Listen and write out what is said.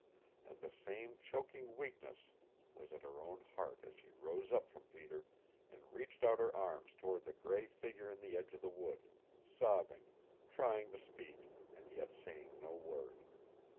And the same choking weakness was at her own heart as she rose up from Peter, and reached out her arms toward the gray figure in the edge of the wood, sobbing, trying to speak and yet saying no word.